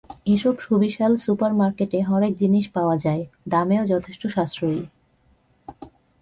এসব সুবিশাল সুপার মার্কেটে হরেক জিনিস পাওয়া যায়, দামেও যথেষ্ট সাশ্রয়ী।